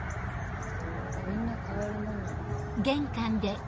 みんな変わるもんなのかな？